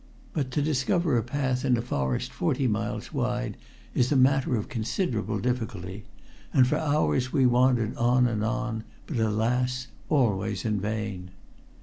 But to discover a path in a forest forty miles wide is a matter of considerable difficulty, and for hours we wandered on and on, but alas! always in vain.